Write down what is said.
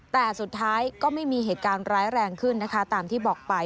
แต่สุดท้ายก็ไม่มีเหตุการณ์ร้ายแรงขึ้นนะคะตามที่บอกไป